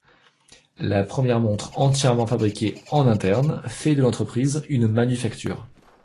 La première montre entièrement fabriquée en interne fait de l’entreprise une manufacture.